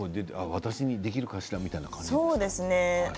私にできるかしらみたいな感じなんですか？